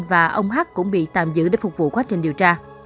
và ông hát cũng bị tạm giữ để phục vụ quá trình điều tra